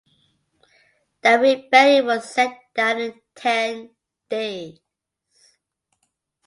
The rebellion was set down in ten days.